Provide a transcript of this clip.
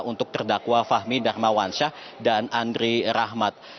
untuk terdakwa fahmi darmawansyah dan andri rahmat